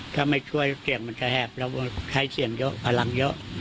ถ้าไม่ช่วยเสียงมันจะแหบแล้วให้เสียงเยอะพลังเยอะ